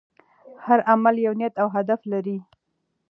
هر عمل یو نیت او هدف لري.